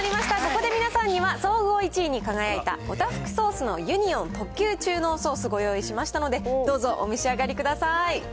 ここで皆さんには総合１位に輝いたオタフクソースのユニオン特級中濃ソースご用意しましたので、どうぞお召し上がりください。